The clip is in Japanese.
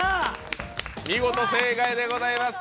見事正解でございます。